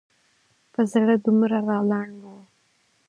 په زړه دومره رالنډ و.